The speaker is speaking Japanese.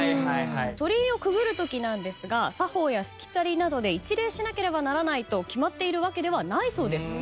鳥居をくぐるときなんですが作法やしきたりなどで一礼しなければならないと決まっているわけではないそうです。